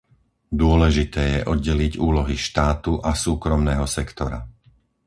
Dôležité je oddeliť úlohy štátu a súkromného sektora.